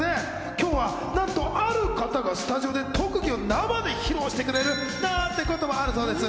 今日はなんと、ある方がスタジオで特技を生で披露してくれるなんてこともあるそうです。